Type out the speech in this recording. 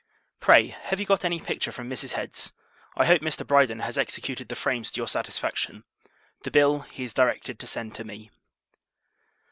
Pray, have you got any picture from Mrs. Head's? I hope, Mr. Brydon has executed the frames to your satisfaction; the bill, he is directed to send to me.